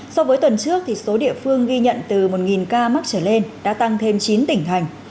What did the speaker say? so với tuần trước số địa phương ghi nhận từ một ca mắc trở lên đã tăng thêm chín tỉnh thành